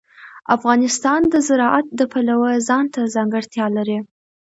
افغانستان د زراعت د پلوه ځانته ځانګړتیا لري.